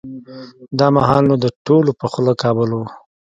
دا مهال نو د ټولو په خوله کابل و.